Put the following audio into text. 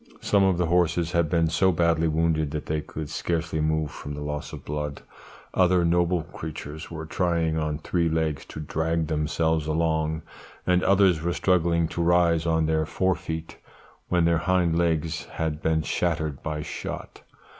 Some of the horses had been so badly wounded that they could scarcely move from the loss of blood; other noble creatures were trying on three legs to drag themselves along, and others were struggling to rise on their fore feet, when their hind legs had been shattered by shot.